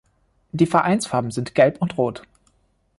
Die Vereinsfarben sind Gelb und Rot.